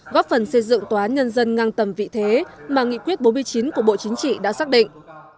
góp phần xây dựng tòa án nhân dân ngang tầm vị thế mà nghị quyết bốn mươi chín của bộ chính trị đã xác định